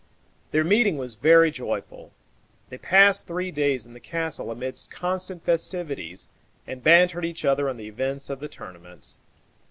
Their meeting was very joyful; they passed three days in the castle amidst constant festivities, and bantered each other on the events of the tournament.